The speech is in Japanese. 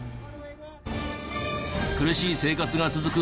苦しい生活が続く